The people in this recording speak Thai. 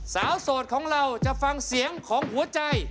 โสดของเราจะฟังเสียงของหัวใจ